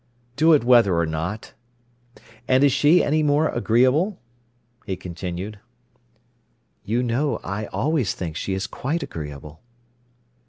"Do it whether or not. And is she any more agreeable?" he continued. "You know I always think she is quite agreeable."